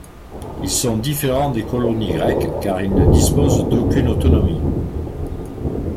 Ils sont différents des colonies grecques, car ils ne disposent d'aucune autonomie.